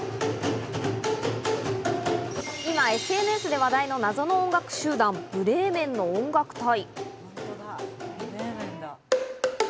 今、ＳＮＳで話題の謎の音楽集団・ブレーメンの音楽隊。